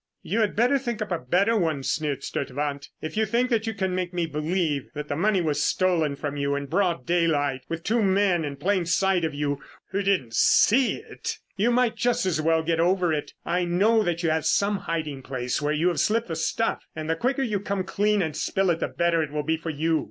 "You had better think up a better one," sneered Sturtevant. "If you think that you can make me believe that that money was stolen from you in broad daylight with two men in plain sight of you who didn't see it, you might just as well get over it. I know that you have some hiding place where you have slipped the stuff and the quicker you come clean and spill it, the better it will be for you.